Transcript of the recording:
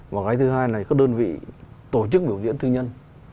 và cái thứ hai là các đơn vị tổ chức biểu diễn tư nhân